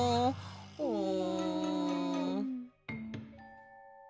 うん。